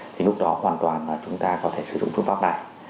thì lúc đó hoàn toàn là chúng ta có thể sử dụng phương pháp này